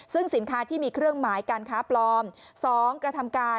ซึ่งสินค้าที่มีเครื่องหมายการค้าปลอม